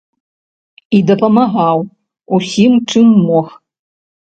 І дапамагаў усім, чым мог.